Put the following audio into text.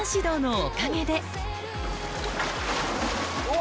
お！